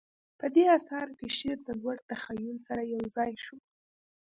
په دې اثارو کې شعر د لوړ تخیل سره یوځای شو